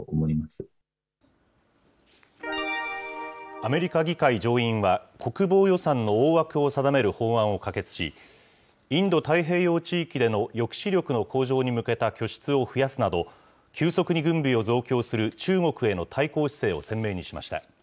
アメリカ議会上院は、国防予算の大枠を定める法案を可決し、インド太平洋地域での抑止力の向上に向けた拠出を増やすなど、急速に軍備を増強する中国への対抗姿勢を鮮明にしました。